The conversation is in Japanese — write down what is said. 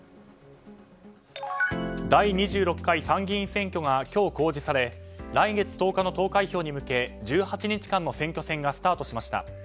第２６回参議院選挙が今日公示され来月１０日の投開票に向け１８日間の選挙戦がスタートしました。